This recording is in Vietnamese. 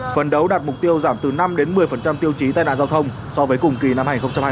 phần đấu đạt mục tiêu giảm từ năm một mươi tiêu chí tai nạn giao thông so với cùng kỳ năm hai nghìn hai mươi ba